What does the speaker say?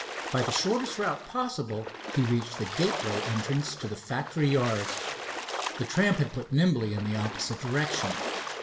By the shortest route possible he reached the gateway entrance to the factory yard. The tramp had put nimbly in the opposite direction.